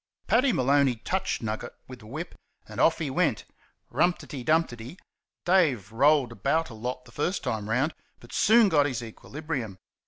Paddy Maloney touched Nugget with the whip, and off he went "rump ti dee, dump ti dee." Dave rolled about a lot the first time round, but soon got his equilibrium.